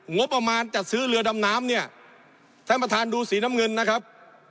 งบประมาณจัดซื้อเรือดำน้ำเนี่ยท่านประธานดูสีน้ำเงินนะครับ